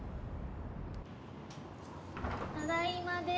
ただいまで。